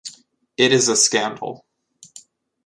It is a scandal.